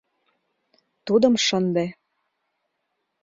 Тудым шынде